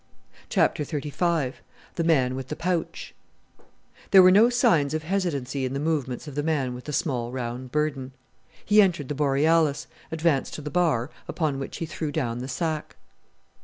CHAPTER XXXV THE MAN WITH THE POUCH There were no signs of hesitancy in the movements of the man with the small round burden. He entered the Borealis, advanced to the bar, upon which he threw down the sack.